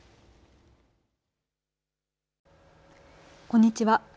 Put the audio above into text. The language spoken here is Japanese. こんにちは。